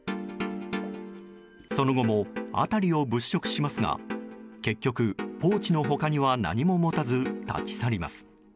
その後も、辺りを物色しますが結局、ポーチの他には何も持たず立ち去ります。